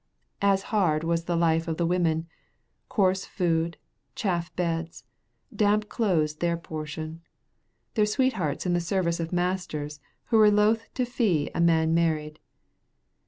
As hard was the life of the women: coarse food, chaff beds, damp clothes their portion; their sweethearts in the service of masters who were loth to fee a married man.